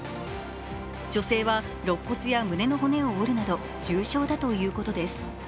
女性はろっ骨や、胸の骨を折るなど、重傷だということです。